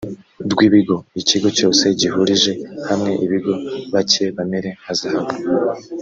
rw ibigo ikigo cyose gihurije hamwe ibigo bacye bamere nka zahabu